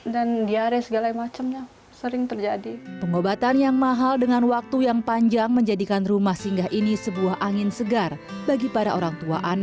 dan harus menetap di jakarta untuk menjalani pengobatan